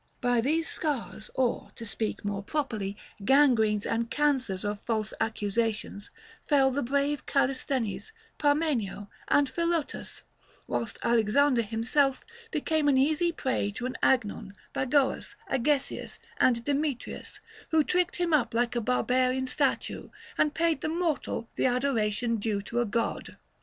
By these scars, or (to speak more properly) gangrenes and cancers of false accusations, fell the brave Callisthenes, Parmenio, and Philotas ; whilst Al exander himself became an easy prey to an Agnon, Bagoas, Agesias, and Demetrius, who tricked him up like a barba rian statue, and paid the mortal the adoration due to a God.